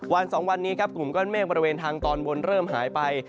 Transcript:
สองวันนี้ครับกลุ่มก้อนเมฆบริเวณทางตอนบนเริ่มหายไป